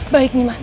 baik nih mas